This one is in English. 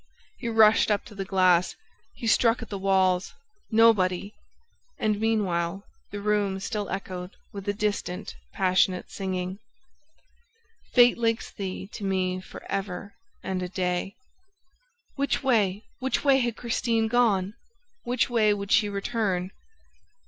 He rushed up to the glass. He struck at the walls. Nobody! And meanwhile the room still echoed with a distant passionate singing: "Fate links thee to me for ever and a day!" Which way, which way had Christine gone? ... Which way would she return?